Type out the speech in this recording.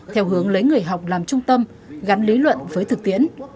theo hướng lấy người học làm trung tâm gắn lý luận với thực tiễn